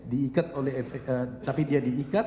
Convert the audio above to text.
diikat oleh tapi dia diikat